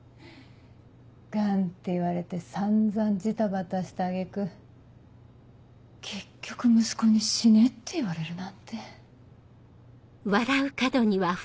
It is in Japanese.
ガンって言われて散々ジタバタした揚げ句結局息子に死ねって言われるなんて。